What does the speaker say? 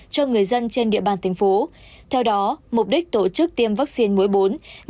cho người dân trong địa bàn